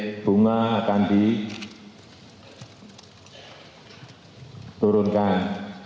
apakah rate bunga akan diturunkan